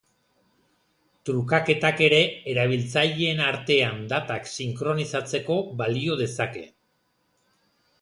Trukaketak ere erabiltzaileen artean datak sinkronizatzeko balio dezake.